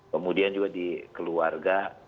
kemudian juga di keluarga